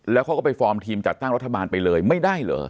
แล้วเขาก็ไปฟอร์มทีมจัดตั้งรัฐบาลไปเลยไม่ได้เหรอ